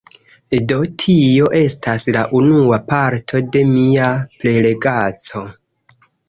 Do tio estas la unua parto de mia prelegaĉo